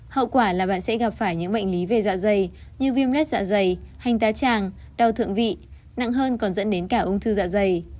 hậu quả là bạn sẽ gặp phải những bệnh lý về dạ dày như viêm lết dạ dày hanh đá tràng đau thượng vị nặng hơn còn dẫn đến cả ung thư dạ dày